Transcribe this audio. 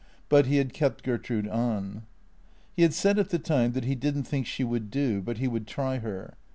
But he had kept Gertrude on. He had said at the time that he did n't think she would do, but he would try her.